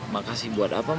makasih buat apa ma